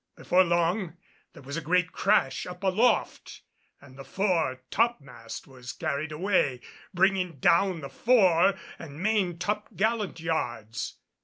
Before long there was a great crash up aloft and the fore topmast was carried away, bringing down the fore and main top gallant yards.